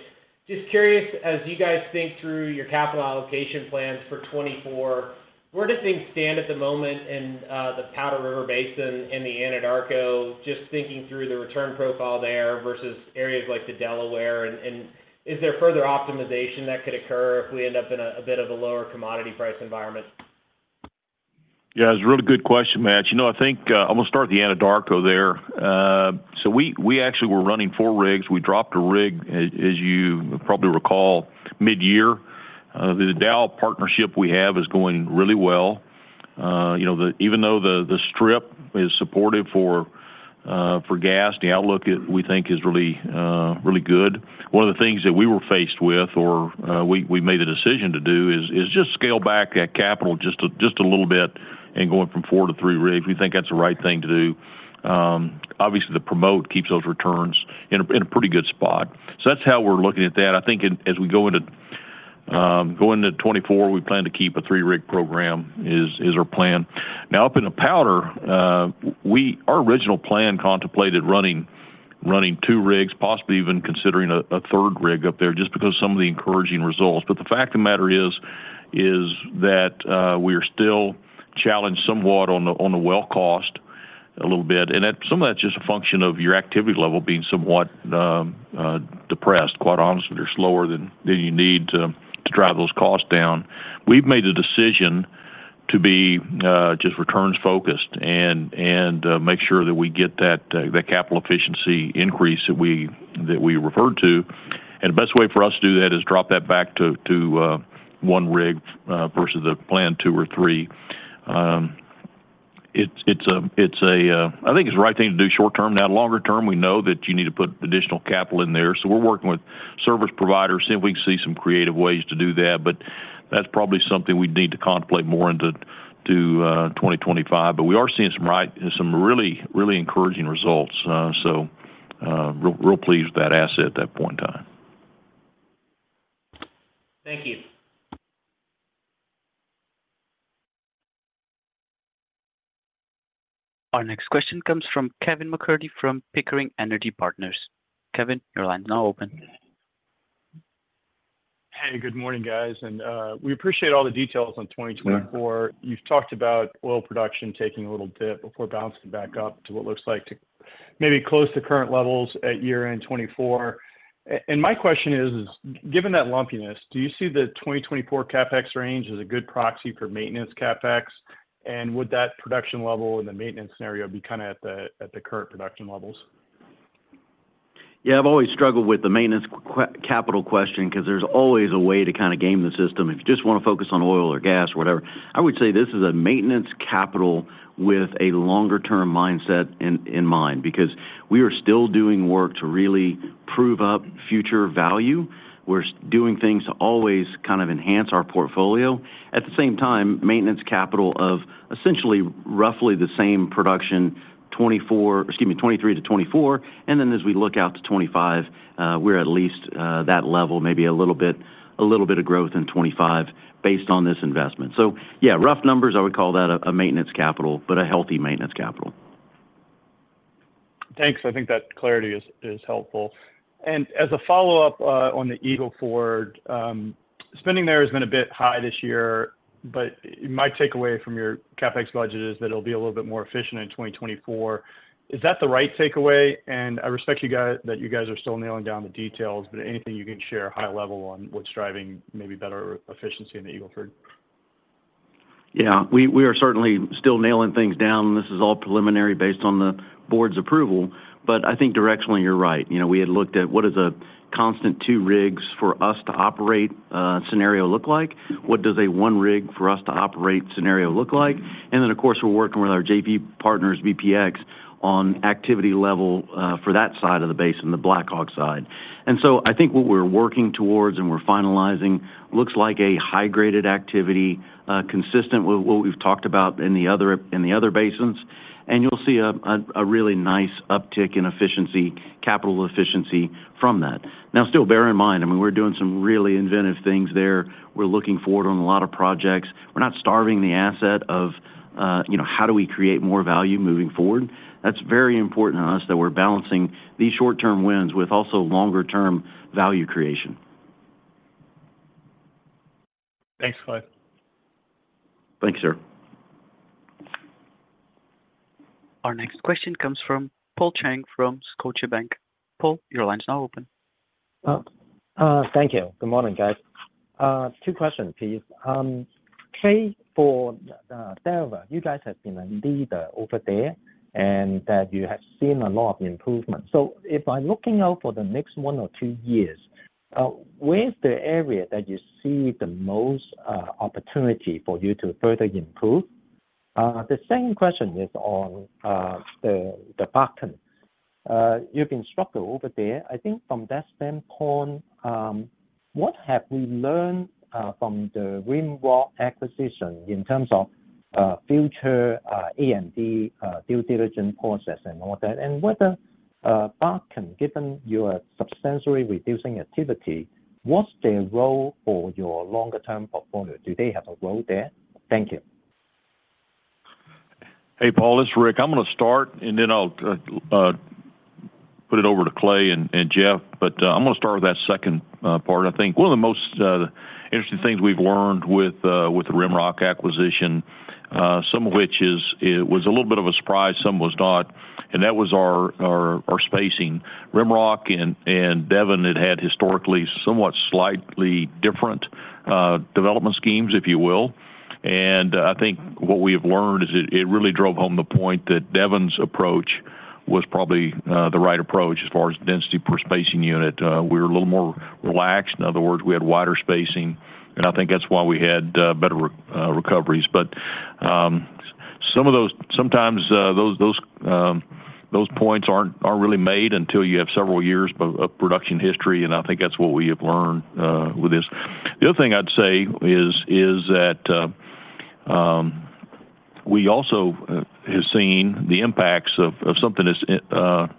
Just curious, as you guys think through your capital allocation plans for 2024, where do things stand at the moment in the Powder River Basin and the Anadarko, just thinking through the return profile there versus areas like the Delaware? Is there further optimization that could occur if we end up in a bit of a lower commodity price environment? Yeah, it's a really good question, Matt. You know, I think, I'm gonna start the Anadarko there. So we, we actually were running four rigs. We dropped a rig, as, as you probably recall, midyear. The Dow partnership we have is going really well. You know, even though the, the strip is supportive for, for gas, the outlook is, we think is really, really good. One of the things that we were faced with or, we, we made a decision to do is, is just scale back that capital just a, just a little bit and going from four to three rigs. We think that's the right thing to do. Obviously, the promote keeps those returns in a, in a pretty good spot. So that's how we're looking at that. I think as we go into 2024, we plan to keep a three-rig program, is our plan. Now, up in the Powder, our original plan contemplated running two rigs, possibly even considering a third rig up there just because some of the encouraging results. But the fact of the matter is that we are still challenged somewhat on the well cost a little bit, and that's some of that's just a function of your activity level being somewhat depressed, quite honestly, or slower than you need to drive those costs down. We've made a decision to be just returns-focused and make sure that we get that capital efficiency increase that we referred to. The best way for us to do that is to drop that back to one rig versus the planned two or three. It's the right thing to do short term. Now, longer term, we know that you need to put additional capital in there, so we're working with service providers, seeing if we can see some creative ways to do that. But that's probably something we'd need to contemplate more into 2025. But we are seeing some really, really encouraging results, so real, real pleased with that asset at that point in time. Thank you. Our next question comes from Kevin MacCurdy from Pickering Energy Partners. Kevin, your line is now open. Hey, good morning, guys, and we appreciate all the details on 2024. You've talked about oil production taking a little dip before bouncing back up to what looks like to maybe close to current levels at year-end 2024. And my question is, given that lumpiness, do you see the 2024 CapEx range as a good proxy for maintenance CapEx? And would that production level in the maintenance scenario be kinda at the current production levels? Yeah, I've always struggled with the maintenance capital question 'cause there's always a way to kinda game the system. If you just wanna focus on oil or gas, whatever. I would say this is a maintenance capital with a longer-term mindset in mind, because we are still doing work to really prove up future value. We're doing things to always kind of enhance our portfolio. At the same time, maintenance capital of essentially roughly the same production, 2024, excuse me, 2023-2024, and then as we look out to 2025, we're at least that level, maybe a little bit of growth in 2025 based on this investment. So yeah, rough numbers, I would call that a maintenance capital, but a healthy maintenance capital. Thanks. I think that clarity is helpful. As a follow-up on the Eagle Ford, spending there has been a bit high this year, but my takeaway from your CapEx budget is that it'll be a little bit more efficient in 2024. Is that the right takeaway? And I respect you guys that you guys are still nailing down the details, but anything you can share high-level on what's driving maybe better efficiency in the Eagle Ford. Yeah, we are certainly still nailing things down, and this is all preliminary based on the board's approval. But I think directionally, you're right. You know, we had looked at what is a constant two rigs for us to operate scenario look like? What does a one rig for us to operate scenario look like? And then, of course, we're working with our JV partners, BPX, on activity level for that side of the basin, the Blackhawk side. And so I think what we're working towards and we're finalizing looks like a high-graded activity, consistent with what we've talked about in the other basins. And you'll see a really nice uptick in efficiency, capital efficiency from that. Now, still, bear in mind, I mean, we're doing some really inventive things there. We're looking forward on a lot of projects. We're not starving the asset of, you know, how do we create more value moving forward? That's very important to us, that we're balancing these short-term wins with also longer-term value creation. Thanks, Clay. Thank you, sir. Our next question comes from Paul Cheng, from Scotiabank. Paul, your line is now open. Thank you. Good morning, guys. Two questions, please. Clay, for Delaware, you guys have been a leader over there, and that you have seen a lot of improvements. So if I'm looking out for the next 1 or 2 years, where's the area that you see the most opportunity for you to further improve? The second question is on the Bakken. You've been struggled over there. I think from that standpoint, what have we learned from the RimRock acquisition in terms of future A&D due diligence process and all that? And whether Bakken, given you are substantially reducing activity, what's their role for your longer-term portfolio? Do they have a role there? Thank you. Hey, Paul, it's Rick. I'm gonna start, and then I'll put it over to Clay and Jeff. But I'm gonna start with that second part. I think one of the most interesting things we've learned with the RimRock acquisition, some of which is, it was a little bit of a surprise, some was not, and that was our spacing. RimRock and Devon had historically somewhat slightly different development schemes, if you will. And I think what we have learned is it really drove home the point that Devon's approach was probably the right approach as far as density per spacing unit. We were a little more relaxed. In other words, we had wider spacing, and I think that's why we had better recoveries. But, some of those—sometimes, those points aren't really made until you have several years of production history, and I think that's what we have learned with this. The other thing I'd say is that we also have seen the impacts of something that's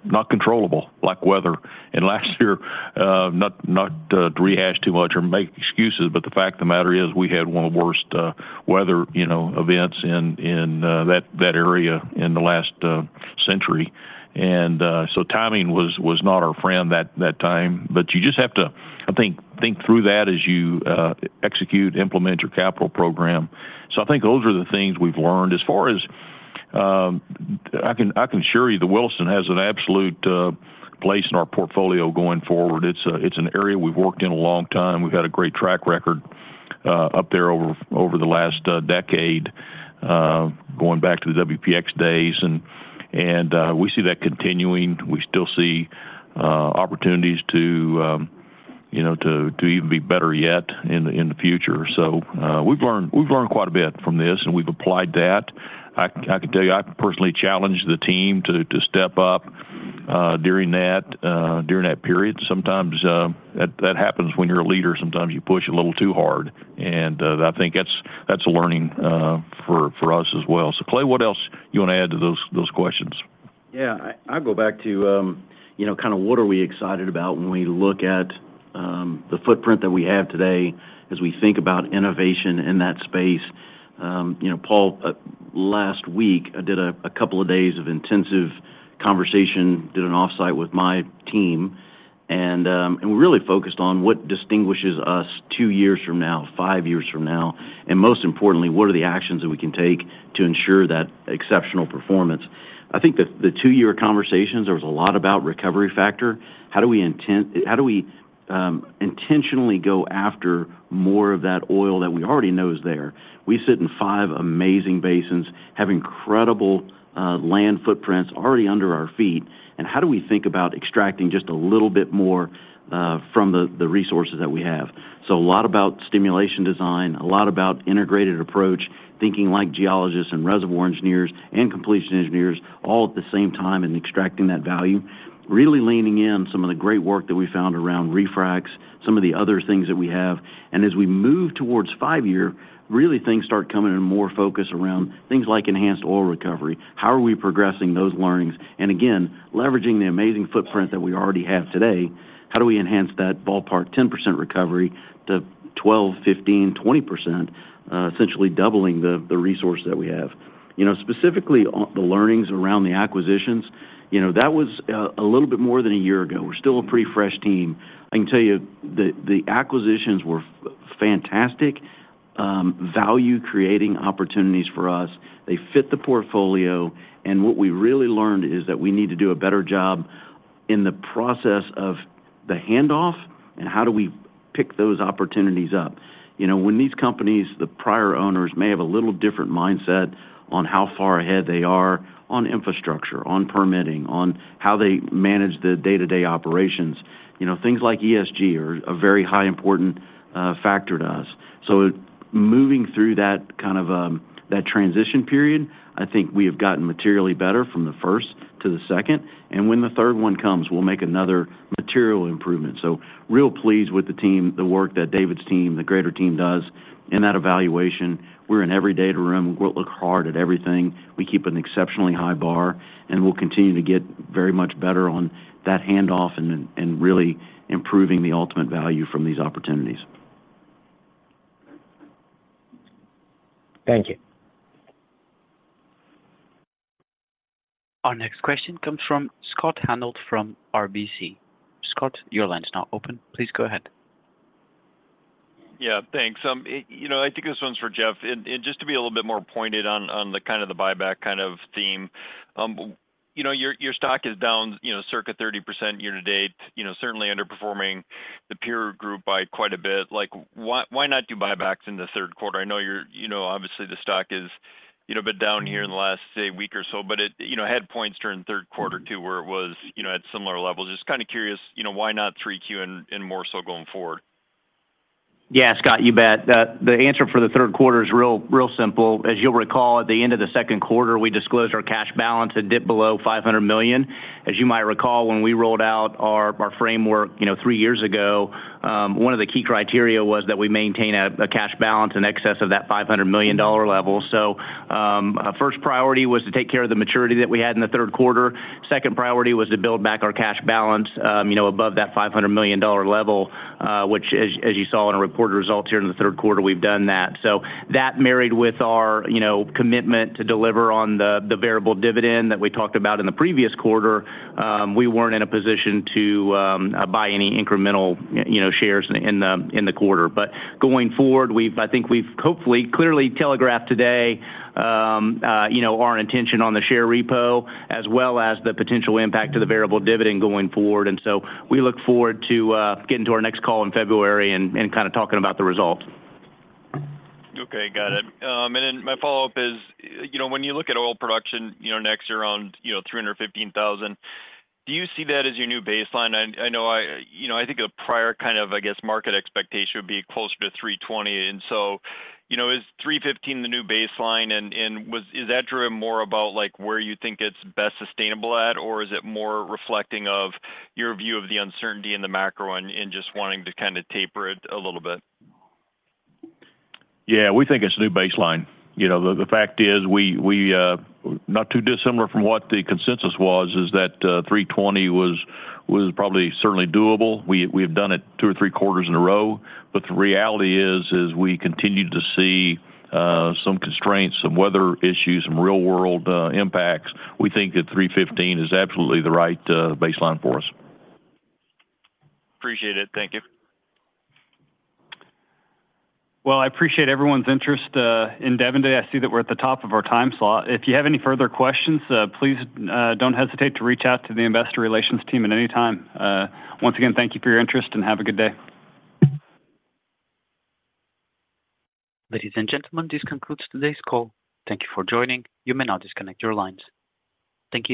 not controllable, like weather. And last year, not to rehash too much or make excuses, but the fact of the matter is, we had one of the worst weather, you know, events in that area in the last century. And, so timing was not our friend that time, but you just have to, I think, think through that as you execute, implement your capital program. So I think those are the things we've learned. As far as I can assure you, the Williston has an absolute place in our portfolio going forward. It's an area we've worked in a long time. We've had a great track record up there over the last decade, going back to the BPX days, and we see that continuing. We still see opportunities to you know to even be better yet in the future. So we've learned quite a bit from this, and we've applied that. I can tell you, I personally challenged the team to step up during that period. Sometimes that happens when you're a leader, sometimes you push a little too hard, and I think that's a learning for us as well. So, Clay, what else you wanna add to those, those questions? Yeah, I go back to, you know, kind of what are we excited about when we look at, the footprint that we have today as we think about innovation in that space? You know, Paul, last week, I did a couple of days of intensive conversation, did an offsite with my team, and we really focused on what distinguishes us two years from now, five years from now, and most importantly, what are the actions that we can take to ensure that exceptional performance? I think the two-year conversations, there was a lot about recovery factor. How do we intentionally go after more of that oil that we already know is there? We sit in five amazing basins, have incredible, land footprints already under our feet, and how do we think about extracting just a little bit more, from the, the resources that we have? So a lot about stimulation design, a lot about integrated approach, thinking like geologists and reservoir engineers and completion engineers, all at the same time and extracting that value, really leaning in some of the great work that we found around refracs, some of the other things that we have. And as we move towards 5-year, really things start coming in more focus around things like enhanced oil recovery. How are we progressing those learnings? And again, leveraging the amazing footprint that we already have today, how do we enhance that ballpark 10% recovery to 12, 15, 20%, essentially doubling the, the resource that we have? You know, specifically on the learnings around the acquisitions, you know, that was a little bit more than a year ago. We're still a pretty fresh team. I can tell you that the acquisitions were fantastic value-creating opportunities for us. They fit the portfolio, and what we really learned is that we need to do a better job in the process of the handoff and how do we pick those opportunities up. You know, when these companies, the prior owners, may have a little different mindset on how far ahead they are on infrastructure, on permitting, on how they manage the day-to-day operations, you know, things like ESG are a very high important factor to us. So moving through that kind of that transition period, I think we have gotten materially better from the first to the second, and when the third one comes, we'll make another material improvement. So real pleased with the team, the work that David's team, the greater team does in that evaluation. We're in every data room. We'll look hard at everything. We keep an exceptionally high bar, and we'll continue to get very much better on that handoff and really improving the ultimate value from these opportunities. Thank you. Our next question comes from Scott Hanold from RBC. Scott, your line is now open. Please go ahead. Yeah, thanks. You know, I think this one's for Jeff, and just to be a little bit more pointed on the kind of the buyback kind of theme. You know, your stock is down, you know, circa 30% year to date, you know, certainly underperforming the peer group by quite a bit. Like, why not do buybacks in the third quarter? I know you're, you know, obviously the stock is, you know, a bit down here in the last, say, week or so, but it, you know, had points during the third quarter, too, where it was, you know, at similar levels. Just kind of curious, you know, why not 3Q and more so going forward? Yeah, Scott, you bet. The answer for the third quarter is real, real simple. As you'll recall, at the end of the second quarter, we disclosed our cash balance. It dipped below $500 million. As you might recall, when we rolled out our framework, you know, three years ago, one of the key criteria was that we maintain a cash balance in excess of that $500 million level. So, our first priority was to take care of the maturity that we had in the third quarter. Second priority was to build back our cash balance, you know, above that $500 million level, which, as you saw in our reported results here in the third quarter, we've done that. So that married with our, you know, commitment to deliver on the variable dividend that we talked about in the previous quarter, we weren't in a position to buy any incremental, you know, shares in the quarter. But going forward, we've. I think we've hopefully clearly telegraphed today, you know, our intention on the share repo, as well as the potential impact to the variable dividend going forward. And so we look forward to getting to our next call in February and kind of talking about the results. Okay, got it. And then my follow-up is, you know, when you look at oil production, you know, next year around, you know, 315,000, do you see that as your new baseline? I know I... You know, I think a prior kind of, I guess, market expectation would be closer to 320. And so, you know, is 315 the new baseline, and, and was-- is that driven more about, like, where you think it's best sustainable at, or is it more reflecting of your view of the uncertainty in the macro and, and just wanting to kind of taper it a little bit? Yeah, we think it's a new baseline. You know, the fact is, we're not too dissimilar from what the consensus was, is that $320 was probably certainly doable. We have done it two or three quarters in a row. But the reality is we continue to see some constraints, some weather issues, some real-world impacts. We think that $315 is absolutely the right baseline for us. Appreciate it. Thank you. Well, I appreciate everyone's interest in Devon today. I see that we're at the top of our time slot. If you have any further questions, please don't hesitate to reach out to the investor relations team at any time. Once again, thank you for your interest, and have a good day. Ladies and gentlemen, this concludes today's call. Thank you for joining. You may now disconnect your lines. Thank you.